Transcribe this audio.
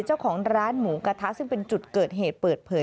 เจ้าของร้านหมูกระทะซึ่งเป็นจุดเกิดเหตุเปิดเผย